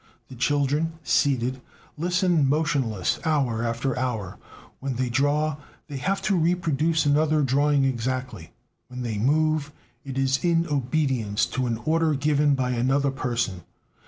The children, seated, listen motionless hour after hour. When they draw, they have to reproduce another drawing exactly. When they move, it is in obedience to an order given by another person.